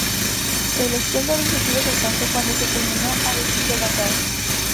El esplendor de este estilo se alcanzó cuando se culminó el estilo Gandhara.